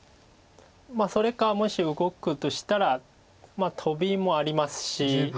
まあそれかもし動くとしたらトビもありますし。